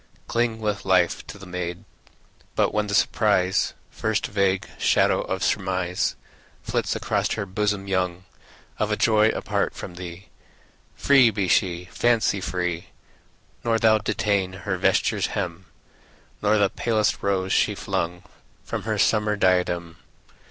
Cling with life to the maid; But when the surprise, First vague shadow of surmise Flits across her bosom young, Of a joy apart from thee, Free be she, fancy free; Nor thou detain her vesture's hem, Nor the palest rose she flung From her summer diadem.